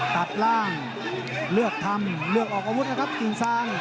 ตัดล่างเลือกทำเลือกออกอาวุธนะครับกิ่งซาง